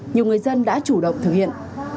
nhiều người dân đã chủ động thực hiện